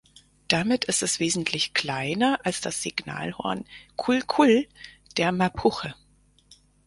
Damit ist es wesentlich kleiner als das Signalhorn "kull kull" der Mapuche.